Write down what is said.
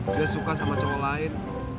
dia suka sama cowok lain